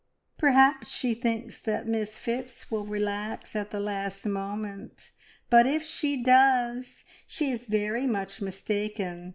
"Perhaps she thinks that Miss Phipps will relax at the last moment, but if she does, she is very much mistaken.